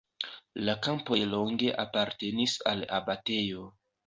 La kampoj longe apartenis al abatejo.